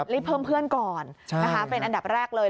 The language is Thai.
เพิ่มเพื่อนก่อนนะคะเป็นอันดับแรกเลย